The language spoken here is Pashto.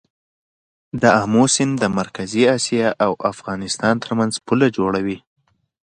د امو سیند د مرکزي اسیا او افغانستان ترمنځ پوله جوړوي.